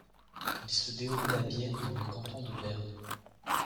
Il se déroule à Bienne dans le canton de Berne.